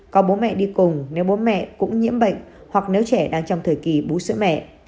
có bố mẹ đi cùng nếu bố mẹ cũng nhiễm bệnh hoặc nếu trẻ đang trong thời kỳ bú sữa mẹ